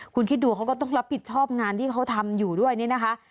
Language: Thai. คุณคิดดูเขาก็ต้องรับผิดชอบงานที่เขาทำอยู่ด้วยนี่นะคะ